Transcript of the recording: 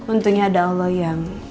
untungnya ada allah yang